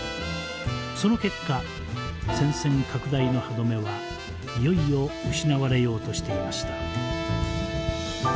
その結果戦線拡大の歯止めはいよいよ失われようとしていました。